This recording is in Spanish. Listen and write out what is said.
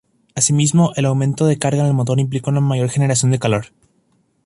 Asimismo, el aumento de carga en el motor implica una mayor generación de calor.